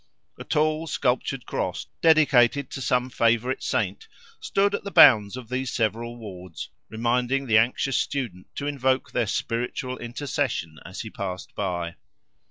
A tall sculptured Cross, dedicated to some favourite saint, stood at the bounds of these several wards, reminding the anxious student to invoke their spiritual intercession as he passed by.